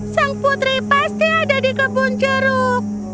sang putri pasti ada di kebun jeruk